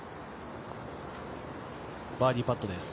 バーディーパットです。